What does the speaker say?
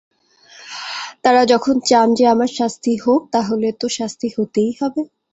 তারা যখন চান যে আমার শাস্তি হোক, তাহলে তো শাস্তি হতেই হবে।